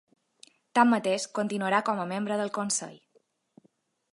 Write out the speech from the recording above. Tanmateix, continuarà com a membre del consell.